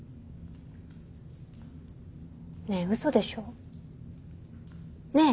ねえうそでしょねえ！